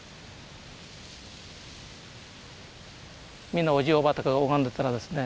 みんなおじいおばあとかが拝んでたらですね